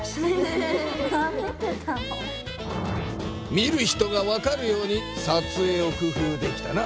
見る人がわかるように撮影を工夫できたな。